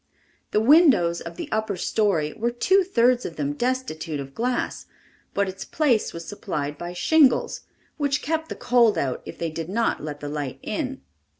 The windows of the upper story were two thirds of them destitute of glass, but its place was supplied by shingles, which kept the cold out if they did not let the light in.